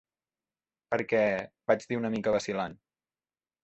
"Perquè...", vaig dir una mica vacil·lant.